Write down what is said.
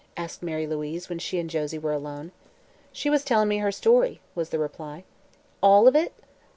asked Mary Louise, when she and Josie were alone. "She was telling me her story," was the reply. "All of it?"